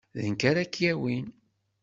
D nekk ara k-yawin.